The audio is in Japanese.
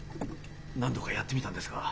何度かやってみたんですが。